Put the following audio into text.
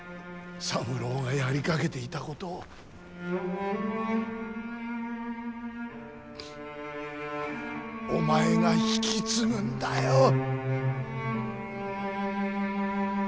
三郎がやりかけていたことをお前が引き継ぐんだよ。